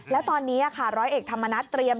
และตอนนี้ร้อยเอกธรรมนัสเตรียม